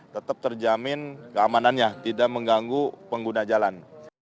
tetap terjamin keamanannya tidak mengganggu pengguna jalan